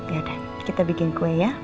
biar kita bikin kue ya